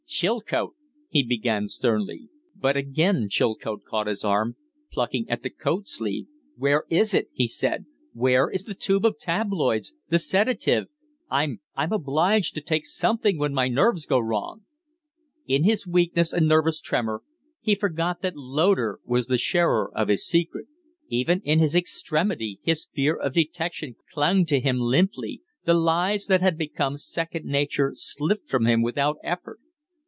"Chilcote " he began, sternly. But again Chilcote caught his arm, plucking at the coat sleeve. "Where is it?" he said. "Where is the tube of tabloids the sedative? I'm I'm obliged to take something when my nerves go wrong " In his weakness and nervous tremor he forgot that Loder was the sharer of his secret. Even in his extremity his fear of detection clung to him limply the lies that had become second nature slipped from him without effort.